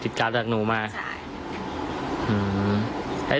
อ๋อติดกาวดักหนูมาใช่